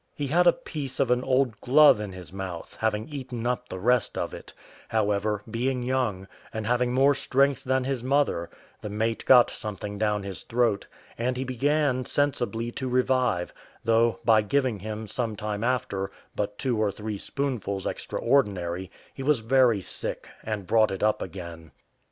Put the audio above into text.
He had a piece of an old glove in his mouth, having eaten up the rest of it; however, being young, and having more strength than his mother, the mate got something down his throat, and he began sensibly to revive; though by giving him, some time after, but two or three spoonfuls extraordinary, he was very sick, and brought it up again.